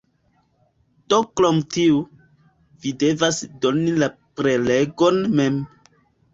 Do krom tiu, vi devas doni la prelegon mem.